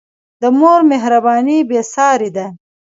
د مور مهرباني بېساری ده.